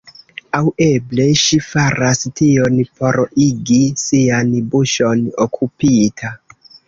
Aŭ eble, ŝi faras tion por igi sian buŝon okupita.